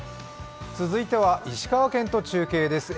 続いては石川県と中継です。